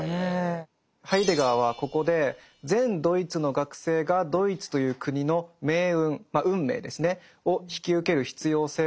ハイデガーはここで全ドイツの学生がドイツという国の命運運命ですねを引き受ける必要性を説いています。